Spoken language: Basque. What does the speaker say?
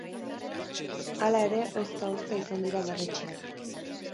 Hala ere, ozta-ozta izan dira berretsiak.